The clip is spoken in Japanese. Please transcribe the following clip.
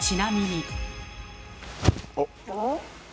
おっ。